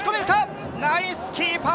ナイスキーパー！